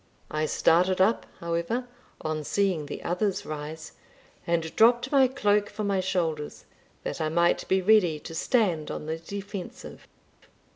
I started up, however, on seeing the others rise, and dropped my cloak from my shoulders, that I might be ready to stand on the defensive.